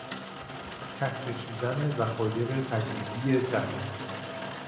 ته کشیدن دخایر طبیعی جهان